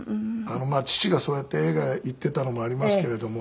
父がそうやって映画行っていたのもありますけれども。